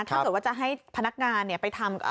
ถ้าเกิดว่าจะให้พนักงานไปทำ